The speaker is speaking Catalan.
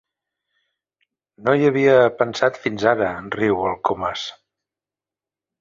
No hi havia pensat fins ara —riu el Comas—.